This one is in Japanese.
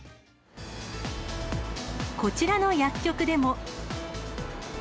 こちらの薬局でも。